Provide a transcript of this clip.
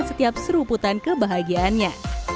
setiap seruputan kebahagiaannya